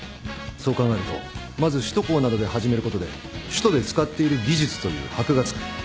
そう考えるとまず首都高などで始めることで首都で使っている技術という箔が付く。